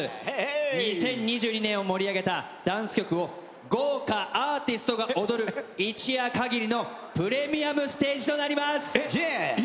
２０２２年を盛り上げたダンス曲を豪華アーティストが踊る一夜限りのプレミアムステージとなります。